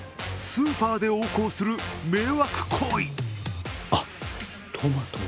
スーパーで横行する迷惑行為。